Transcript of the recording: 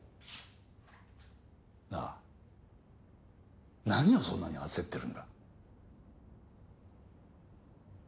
なぁ何をそんなに焦ってるんだ？